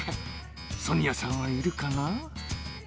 ソニアさんはいるかな？